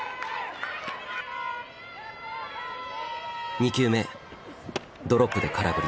２球目ドロップで空振り。